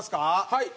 はい！